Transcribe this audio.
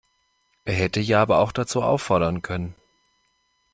Er hätte ja aber auch dazu auffordern können.